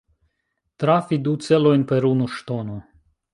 Trafi du celojn per unu ŝtono.